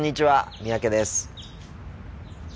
三宅です。